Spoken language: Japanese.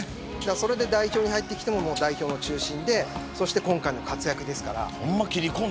代表に入ってきても代表の中心で今回の活躍ですから。